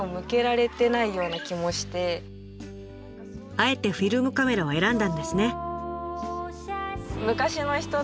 あえてフィルムカメラを選んだんですね。